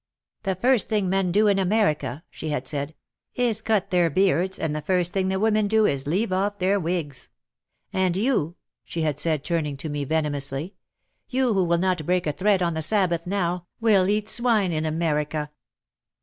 "The first thing men do in America," she had said, "is cut their beards and the first thing the women do is to leave off their wigs. And you," she had said, turning to me venomously, "you who will not break a thread on the Sabbath now, will eat swine in America."